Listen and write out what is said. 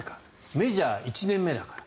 メジャー１年目だから。